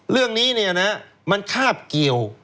เรื่องนี้เนี่ยนะมันคาบเกี่ยว